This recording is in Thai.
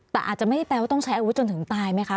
แต่อาจจะไม่ได้แปลว่าต้องใช้อาวุธจนถึงตายไหมคะ